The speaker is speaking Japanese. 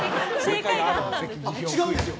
違うんですよ。